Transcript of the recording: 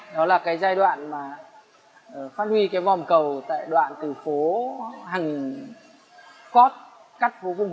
đó là giai đoạn phát huy vòm cầu tại đoạn từ phố hằng cót cắt phố phùng hưng